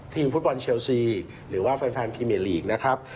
ฟุตบอลเชลซีหรือว่าแฟนพรีเมียลีกนะครับ